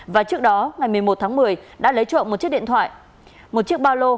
và trước đó ngày một mươi một tháng một mươi đã lấy trộm một chiếc điện thoại một chiếc ba lô